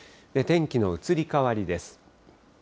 天気の移り変わりです。